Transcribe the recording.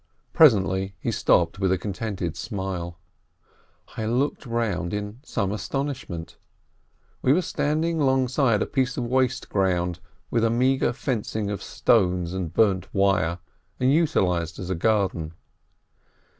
Presently he stopped, with a contented smile. I looked round in some astonishment. We were standing alongside a piece of waste ground, with a meagre fencing of stones and burnt wire, and utilized as a garden.